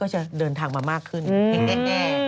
ก็จะเดินทางมามากขึ้นแน่